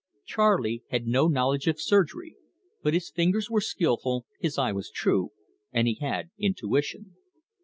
Charley had no knowledge of surgery, but his fingers were skilful, his eye was true, and he had intuition.